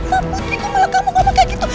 putri kamu malah kamu ngomong kayak gitu